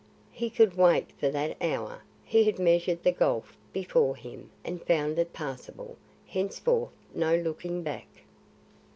He could wait for that hour. He had measured the gulf before him and found it passable. Henceforth no looking back.